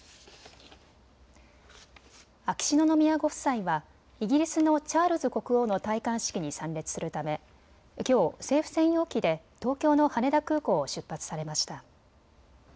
秋篠宮ご夫妻はイギリスのチャールズ国王の戴冠式に参列するためきょう、政府専用機で東京の羽田空港を出発されました。